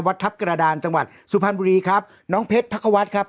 ทัพกระดานจังหวัดสุพรรณบุรีครับน้องเพชรพักควัฒน์ครับ